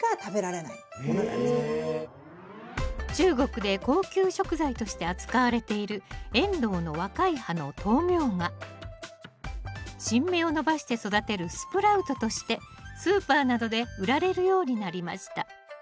中国で高級食材として扱われているエンドウの若い葉の豆苗が新芽を伸ばして育てるスプラウトとしてスーパーなどで売られるようになりました